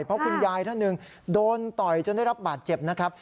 เพราะคุณยายท่านหนึ่งโดนต่อยจนได้รับบาดเจ็บนะครับ